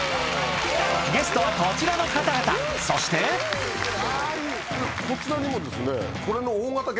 ゲストはこちらの方々そしてこちらにも。